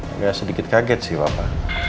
agak sedikit kaget sih bapak